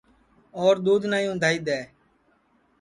اور دؔودھ نائی اُندھائی دؔے